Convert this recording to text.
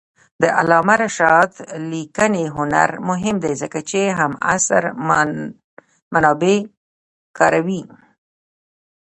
د علامه رشاد لیکنی هنر مهم دی ځکه چې همعصر منابع کاروي.